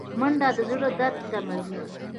منډه د زړه درد کموي